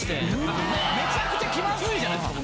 めちゃくちゃ気まずいじゃないですか